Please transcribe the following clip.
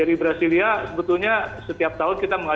nah kbri brasilia sebetulnya setiap tahun kita membuka